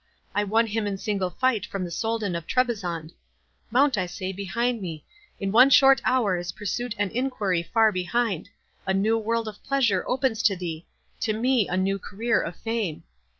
I won him in single fight from the Soldan of Trebizond—mount, I say, behind me—in one short hour is pursuit and enquiry far behind—a new world of pleasure opens to thee—to me a new career of fame.